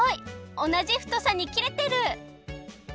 おなじふとさにきれてる！